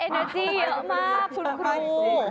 แปบเวลาเคลียร์เยอะมากคุณครู